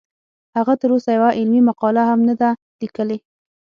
هغه تر اوسه یوه علمي مقاله هم نه ده لیکلې